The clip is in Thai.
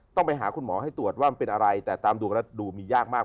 ต้องไปหาคุณหมอให้ตรวจว่ามันเป็นอะไรแต่ตามดวงแล้วดูมียากมาก